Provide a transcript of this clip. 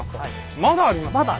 まだあります。